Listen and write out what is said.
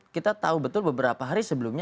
kita tahu betul beberapa hari sebelumnya